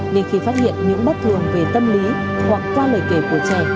nên khi phát hiện những bất thường về tâm lý hoặc qua lời kể của trẻ